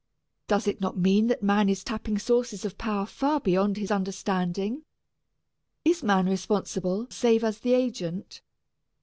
Does it not mean that man is tapping sources of power far beyond his understanding? Is man responsible save as the agent?